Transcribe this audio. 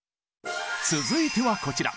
続いてはこちら。